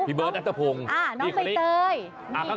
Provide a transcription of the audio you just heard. พี่เบิร์ดอัตภงอีกหนึ่งอ่าน้องใบเตย